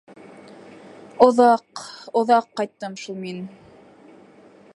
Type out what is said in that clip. Оҙаҡ, оҙаҡ ҡайттым шул мин!..